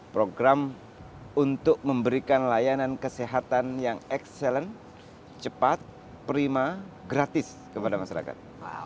program untuk memberikan layanan kesehatan yang excellent cepat prima gratis kepada masyarakat